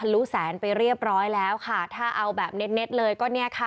รู้แสนไปเรียบร้อยแล้วค่ะถ้าเอาแบบเน็ตเลยก็เนี่ยค่ะ